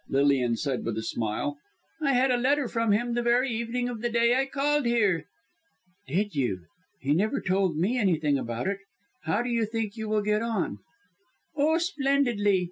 Lilian said with a smile. "I had a letter from him the very evening of the day I called here." "Did you! He never told me anything about it! How do you think you will get on?" "Oh, splendidly!